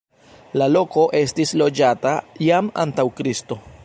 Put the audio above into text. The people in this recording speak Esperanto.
La loko estis loĝata jam antaŭ Kristo.